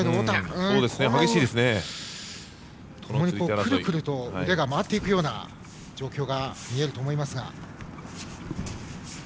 くるくると腕が回っていくような状況が見えると思いますが。